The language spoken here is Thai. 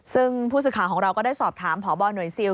ซึ่งผู้สื่อข่าวของเราก็ได้สอบถามพบหน่วยซิล